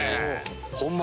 ホンマ